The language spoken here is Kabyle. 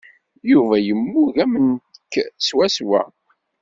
Yuba yemmug am nekk swaswa.